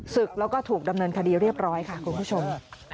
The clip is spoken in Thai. ศึกแล้วก็ถูกดำเนินคดีเรียบร้อยค่ะคุณผู้ชม